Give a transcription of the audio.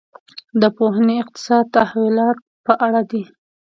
دا پوهنې اقتصادي تحولاتو په اړه دي.